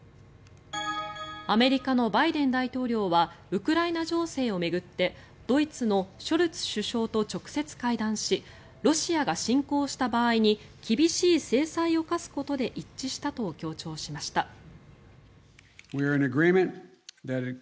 アメリカのバイデン大統領はウクライナ情勢を巡ってドイツのショルツ首相と直接会談しロシアが侵攻した場合に厳しい制裁を科すことで一致したと強調しました。